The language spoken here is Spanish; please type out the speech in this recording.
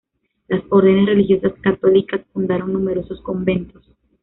Las órdenes religiosas católicas fundaron numerosos conventos.